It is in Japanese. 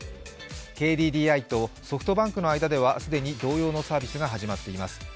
ＫＤＤＩとソフトバンクの間では既に同様のサービスが始まっています。